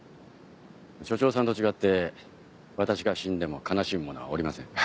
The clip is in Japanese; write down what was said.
署長さんと違って私が死んでも悲しむ者はおりません。